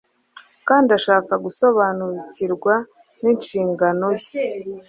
kandi ashaka gusobanukirwa n’inshingano ye,